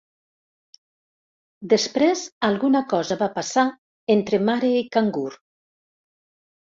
Després alguna cosa va passar entre mare i cangur.